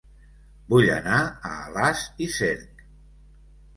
Vull anar a Alàs i Cerc